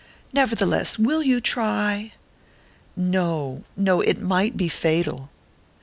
"Nevertheless will you try?" "No no! It might be fatal."